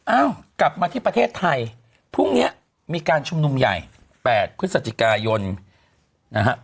อ้าวกลับมาที่ประเทศไทยพรุ่งนี้มีการชุมนุมใหญ่๘พฤศจิกายนนะฮะ